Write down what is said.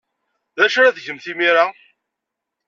D acu ara tgemt imir-a?